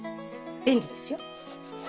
便利ですよ。